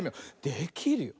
できるよ。